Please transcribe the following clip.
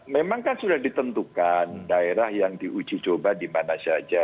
memang kan sudah ditentukan daerah yang diuji coba dimana saja